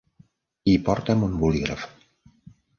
I porta'm un bolígraf.